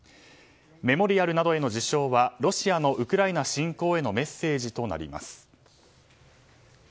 メモリアルなどへの受賞はロシアのウクライナ侵攻へのメッセージとなります。